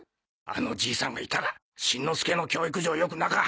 あのじいさんがいたらしんのすけの教育上よくなか。